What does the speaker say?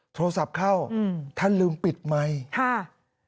โทรศัพท์เข้าอืมท่านลืมปิดไมค์ค่ะ